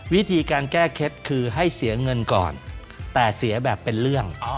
วิธีการแก้เคล็ดคือให้เสียเงินก่อนแต่เสียแบบเป็นเรื่อง